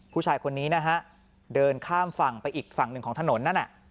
ผู้ชายคนนี้นะฮะเดินข้ามฝั่งไปอีกฝั่งหนึ่งของถนนนั่นน่ะ